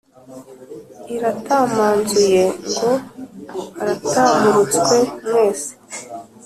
iratamanzuye ngo aratamurutswe mwese